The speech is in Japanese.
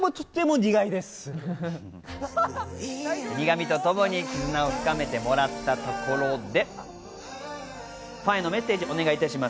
苦味とともに絆を深めてもらったところで。